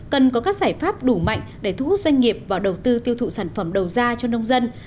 cần có các giải pháp đủ mạnh để thu hút doanh nghiệp vào đầu tư tiêu thụ sản phẩm đầu ra cho nông dân